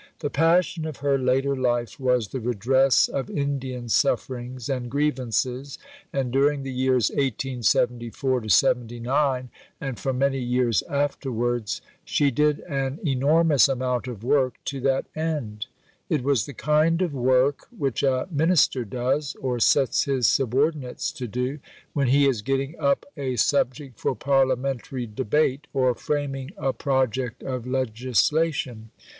The passion of her later life was the redress of Indian sufferings and grievances, and during the years 1874 79, and for many years afterwards, she did an enormous amount of work to that end. It was the kind of work which a Minister does, or sets his subordinates to do, when he is getting up a subject for parliamentary debate, or framing a project of legislation.